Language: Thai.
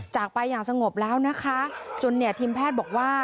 จากไปอย่างสงบแล้วนะคะจนเนี่ยทีมแพทย์บอกว่า